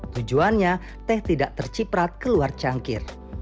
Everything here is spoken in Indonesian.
tujuannya teh tidak terciprat keluar cangkir